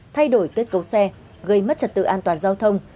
thay đổi kết cấu xe gây mất trật tự an toàn giao thông